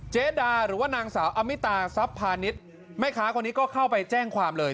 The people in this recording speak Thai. เจดาหรือว่านางสาวอมิตาซับพาณิชย์แม่ค้าคนนี้ก็เข้าไปแจ้งความเลย